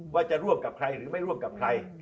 ว่าจะร่วมกับใครหรือไม่ร่วมกับใคร